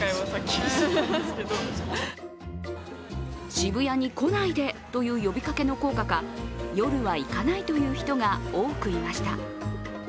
「渋谷に来ないで」という呼びかけの効果か夜は行かないという人が多くいました。